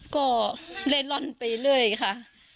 ก็เลยร่อนไปเรื่อยค่ะ